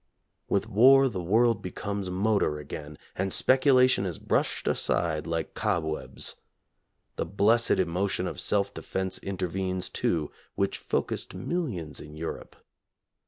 With war the world becomes motor again and speculation is brushed aside like cobwebs. The blessed emotion of self defense intervenes too, which focused millions in Europe.